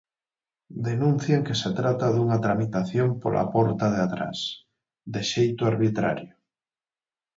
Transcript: Denuncian que se trata dunha tramitación pola porta de atrás, de xeito arbitrario.